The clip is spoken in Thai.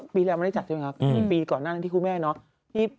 เพราะฉะนั้นตอนสมการปี